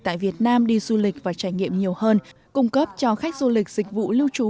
tại việt nam đi du lịch và trải nghiệm nhiều hơn cung cấp cho khách du lịch dịch vụ lưu trú